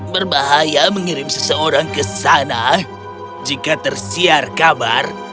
berbahaya mengirim seseorang ke sana jika tersiar kabar